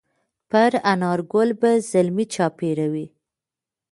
پر انارګل به زلمي چاپېروي